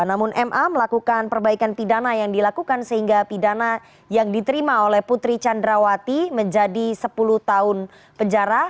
namun ma melakukan perbaikan pidana yang dilakukan sehingga pidana yang diterima oleh putri candrawati menjadi sepuluh tahun penjara